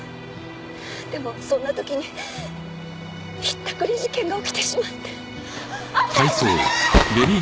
でもそんな時にひったくり事件が起きてしまって。